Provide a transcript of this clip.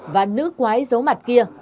và nữ quái giấu mặt kia